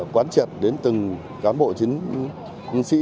quán triệt đến từng cán bộ chiến sĩ